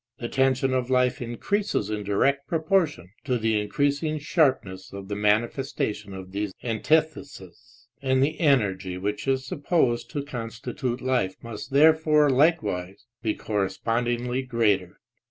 The tension of life increases in direct proportion to the increasing sharpness of the man ifestation of these antitheses, and the energy which is supposed to constitute life must therefore likewise be correspondingly greater.